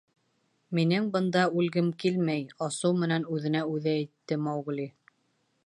— Минең бында үлгем килмәй, — асыу менән үҙенә үҙе әйтте Маугли.